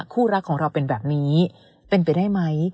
คู่รักของเราเป็นแบบนี้เป็นไปได้ไหม